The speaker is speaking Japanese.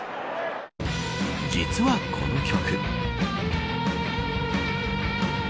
実は、この曲。